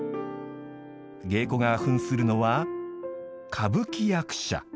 芸妓が扮するのは歌舞伎役者。